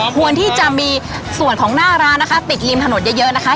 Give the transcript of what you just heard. ควรที่จะมีส่วนของหน้าร้านนะคะติดริมถนนเยอะนะคะ